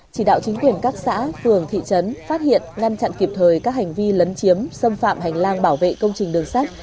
chỉ đạo chính quyền các xã phường thị trấn phát hiện ngăn chặn kịp thời các hành vi lấn chiếm xâm phạm hành lang bảo vệ công trình đường sát